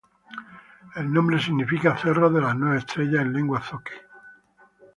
El nombre significa "cerro de las nueve estrellas" en lengua zoque.